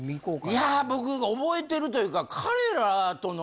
いや僕覚えてるというか。